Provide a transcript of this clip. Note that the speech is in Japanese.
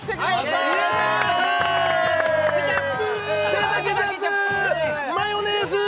出たケチャップマヨネーズ！